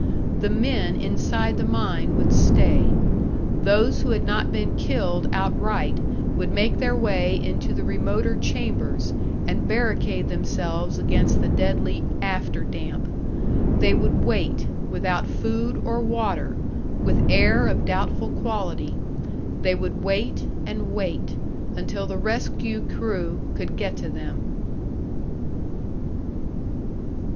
The men inside the mine would stay. Those who had not been killed outright would make their way into the remoter chambers, and barricade themselves against the deadly "after damp." They would wait, without food or water, with air of doubtful quality they would wait and wait, until the rescue crew could get to them!